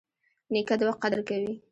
نیکه د وخت قدر کوي.